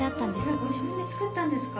ご自分で作ったんですか？